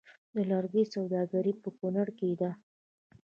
د لرګیو سوداګري په کنړ کې ده